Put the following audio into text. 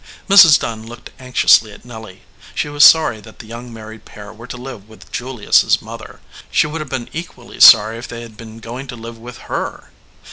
Mrs. Dunn looked anxiously at Nelly. She was sorry that the young married pair were to live with Julius s mother. She would have been equally sorry if they had been going to live with her.